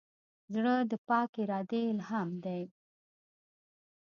زړه د پاک ارادې الهام دی.